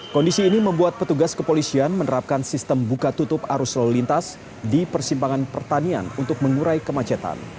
kondisi ini membuat petugas kepolisian menerapkan sistem buka tutup arus lalu lintas di persimpangan pertanian untuk mengurai kemacetan